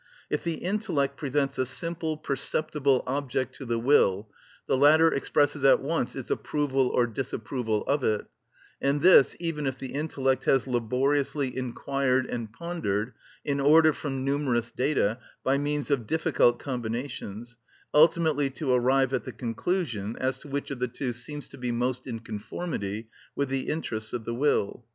If the intellect presents a simple, perceptible object to the will, the latter expresses at once its approval or disapproval of it, and this even if the intellect has laboriously inquired and pondered, in order from numerous data, by means of difficult combinations, ultimately to arrive at the conclusion as to which of the two seems to be most in conformity with the interests of the will.